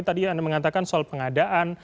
tadi anda mengatakan soal pengadaan